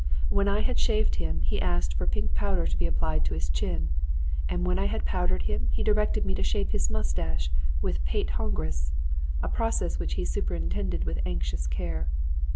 When I had shaved him he asked for pink powder to be applied to his chin; and when I had powdered him he directed me to shape his mustache with Pate Hongrois, a process which he superintended with anxious care.